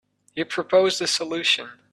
He proposed a solution.